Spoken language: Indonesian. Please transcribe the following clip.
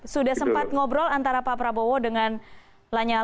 sudah sempat ngobrol antara pak prabowo dengan lanya lah